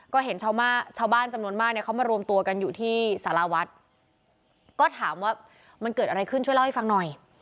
ก็เห็นชาวบ้านชาวบ้านจำนวนมากเนี่ยเขามารวมตัวกันอยู่ที่สารวัฒน์ก็ถามว่ามันเกิดอะไรขึ้นช่วยเล่าให้ฟังหน่อย